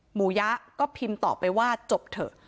ยะก็พิมพ์ต่อไปว่าจบเถอะ